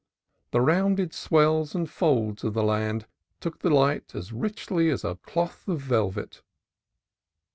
The rounded swells and folds of the land took the light as richly as a cloth of velvet.